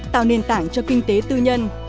tạo nền tảng cho kinh tế tư nhân